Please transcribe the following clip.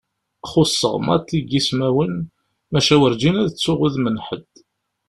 Xuṣṣeɣ maḍi deg ismawen, maca werǧin ad ttuɣ udem n ḥedd.